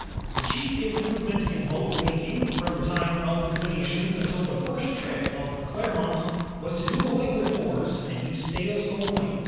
The chief improvement in boat making, from the time of the Phcenicians until the first trip of the Clermont, was to do away with oars and to use sails only.